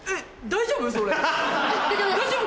大丈夫？